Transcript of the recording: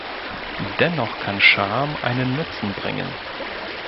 Dennoch kann Scham einen „Nutzen“ bringen.